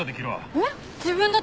えっ？